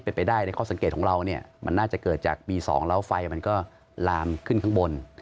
เป็นไปได้ในข้อสังเกตของเราเนี่ยมันน่าจะเกิดจากปี๒แล้วไฟมันก็ลามขึ้นข้างบน